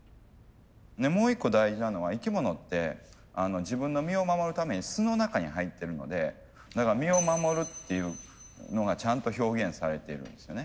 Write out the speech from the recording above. もう一個大事なのは生き物って自分の身を守るために巣の中に入ってるのでだから身を守るっていうのがちゃんと表現されているんですよね。